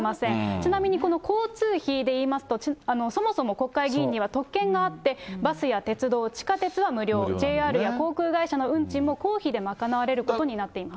ちなみにこの交通費でいいますと、そもそも国会議員には特権があって、バスや鉄道、地下鉄は無料、ＪＲや航空会社の運賃も公費で賄われることになっています。